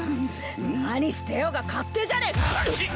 何してようが勝手じゃねえか！